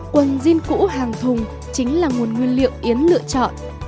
quần jean cũ hàng thùng chính là nguồn nguyên liệu yến lựa chọn